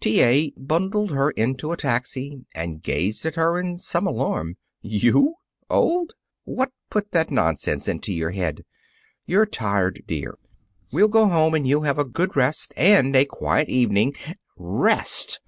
T. A. bundled her into a taxi and gazed at her in some alarm. "You! Old! What put that nonsense into your head? You're tired, dear. We'll go home, and you'll have a good rest, and a quiet evening " "Rest!"